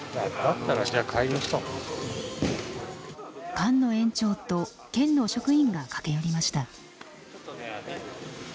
菅野園長と県の職員が駆け寄りました。